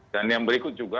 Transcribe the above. dan yang berikut juga